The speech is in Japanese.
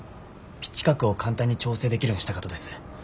ピッチ角を簡単に調整できるようにしたかとです。